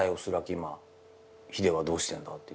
今ヒデはどうしてんだ？って。